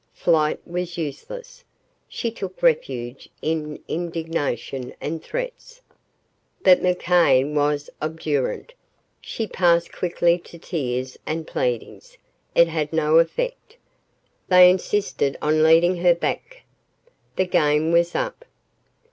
Flight was useless. She took refuge in indignation and threats. But McCann was obdurate. She passed quickly to tears and pleadings. It had no effect. They insisted on leading her back. The game was up.